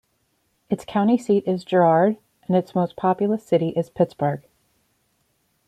Its county seat is Girard, and its most populous city is Pittsburg.